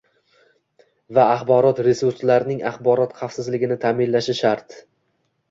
va axborot resurslarining axborot xavfsizligini ta’minlashi shart.